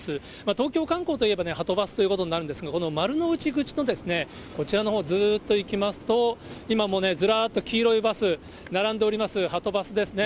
東京観光といえばはとバスということになるんですが、この丸の内口のこちらのほう、ずっと行きますと、今もね、ずらっと黄色いバス並んでおります、はとバスですね。